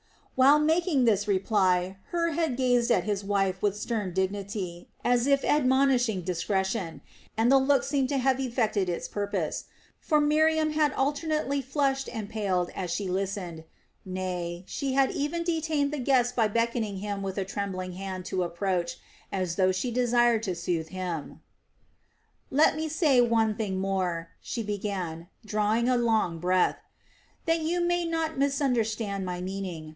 While making this reply Hur had gazed at his wife with stern dignity, as if admonishing discretion, and the look seemed to have effected its purpose; for Miriam had alternately flushed and paled as she listened; nay, she even detained the guest by beckoning him with a trembling hand to approach, as though she desired to soothe him. "Let me say one thing more," she began, drawing a long breath, "that you may not misunderstand my meaning.